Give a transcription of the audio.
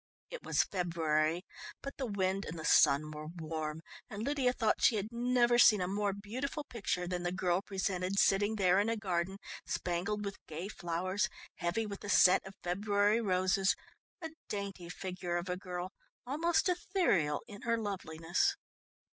It was February, but the wind and the sun were warm and Lydia thought she had never seen a more beautiful picture than the girl presented sitting there in a garden spangled with gay flowers, heavy with the scent of February roses, a dainty figure of a girl, almost ethereal in her loveliness.